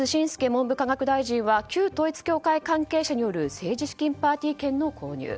文部科学大臣は旧統一教会関係者による政治資金パーティー券の購入。